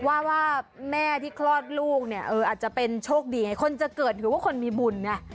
ว่าว่าแม่ที่คลอดลูกเนี่ยเอออาจจะเป็นโชคดีไงคนจะเกิดหรือว่าคนมีบุญไง